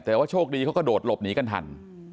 แต่ว่าโชคดีเขาก็โดดหลบหนีกันทัน